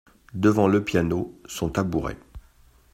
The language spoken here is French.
Devant le piano, son tabouret.